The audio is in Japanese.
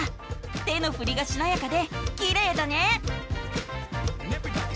手のふりがしなやかできれいだね。